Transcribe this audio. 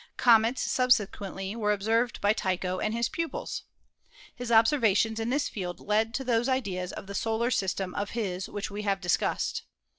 Comets subsequently were observed by Tycho and his pupils. His observations in this field led to those ideas of the solar system of his which we have discussed.